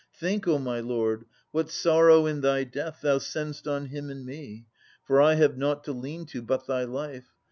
Think, O my lord, what sorrow in thy death Thou send'st on him and me. For I have nought To lean to but thy life.